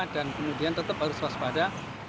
kemudian tetap harus waspada